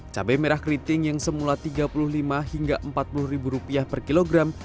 cabai merah keriting yang semula rp tiga puluh lima hingga rp empat puluh per kilogram